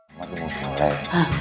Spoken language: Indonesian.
oke bang cepetan